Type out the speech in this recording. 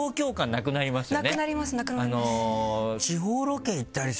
なくなりますなくなります。